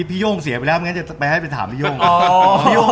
พี่โย่งเสียไปแล้วยังไงก้าวจะไปก็บอกตังค์